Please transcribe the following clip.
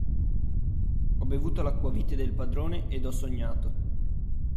Ho bevuto l'acquavite del padrone ed ho sognato.